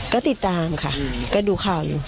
ก็ติดตามค่ะก็ดูข่าวอยู่